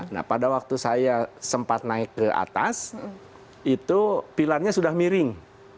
nah pada waktu saya sempat naik ke atas itu pilarnya sudah miring